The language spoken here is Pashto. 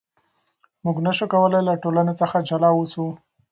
موږ نشو کولای له ټولنې څخه جلا اوسو.